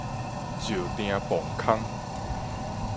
石碇磅空